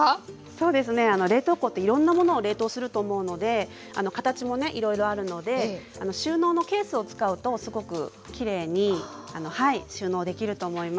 そうですね冷凍庫っていろんな物を冷凍すると思うので形もねいろいろあるので収納のケースを使うとすごくきれいに収納できると思います。